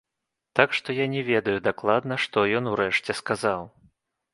Так што я не ведаю дакладна, што ён у рэшце сказаў.